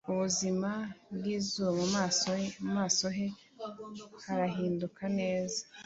ubuzima bw'izuba; mu maso he harahinduka neza -